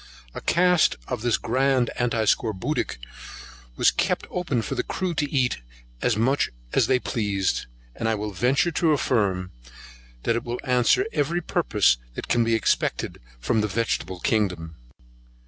A cask of this grand antiscorbutic was kept open for the crew to eat as much of as they pleased; and I will venture to affirm, that it will answer every purpose that can be expected from the vegetable kingdom.